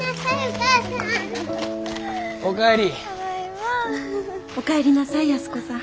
お帰りなさい安子さん。